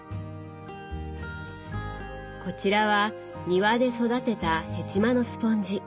こちらは庭で育てたヘチマのスポンジ。